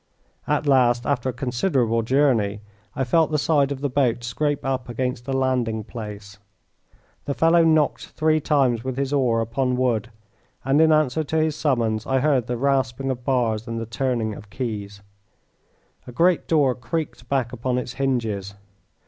At last, after a considerable journey, I felt the side of the boat scrape up against a landing place. The fellow knocked three times with his oar upon wood, and in answer to his summons I heard the rasping of bars and the turning of keys. A great door creaked back upon its hinges.